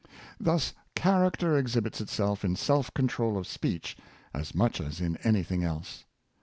Thus character exhibits itself in self control of speech as much as in anything else.